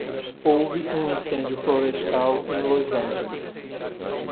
Houve um incêndio florestal em Los Angeles.